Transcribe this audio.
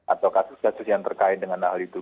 atau kasus kasus yang terkait dengan hal itu